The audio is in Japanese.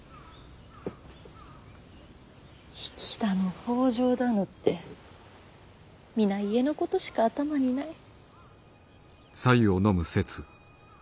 比企だの北条だのって皆家のことしか頭にない。